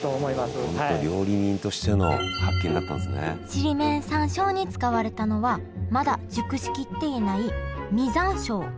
ちりめん山椒に使われたのはまだ熟しきっていない実山椒。